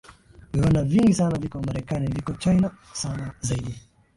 viwanda vingi sana viko marekani viko china sana zaidi